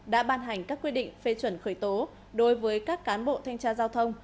đã ban hành các quy định phê chuẩn khởi tố đối với các cán bộ thanh tra giao thông